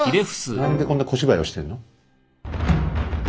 何でこんな小芝居をしてるの？